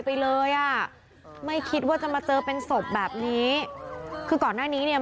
ไปเลยอ่ะไม่คิดว่าจะมาเจอเป็นศพแบบนี้คือก่อนหน้านี้เนี่ย